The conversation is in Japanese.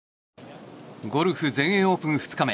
ゴルフ全英オープン２日目。